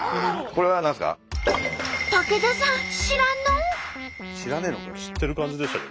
これは何ですか？